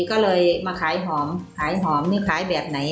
ก็เลยมาขายหอมขายหอมนี่ขายแบบไหน